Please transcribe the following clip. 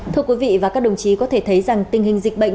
thưa quý vị và các đồng chí có thể thấy rằng tình hình dịch bệnh